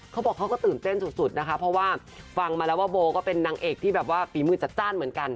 เขาบอกเขาก็ตื่นเต้นสุดนะคะเพราะว่าฟังมาแล้วว่าโบก็เป็นนางเอกที่แบบว่าฝีมือจัดจ้านเหมือนกัน